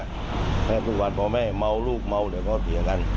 แค่ทุกวันพ่อแม่เมาลูกเมาจะเตียงกัน